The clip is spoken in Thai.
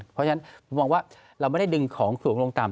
เพราะฉะนั้นผมมองว่าเราไม่ได้ดึงของสูงลงต่ำ